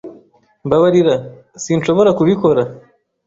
Mbabarira, , sinshobora kubikora.